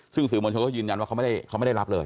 ซึ่งสื่อมวลชนก็ยืนยันว่าเขาไม่ได้รับเลย